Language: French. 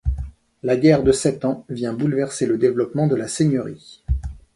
La guerre de Sept Ans vient bouleverser le développement de la seigneurie.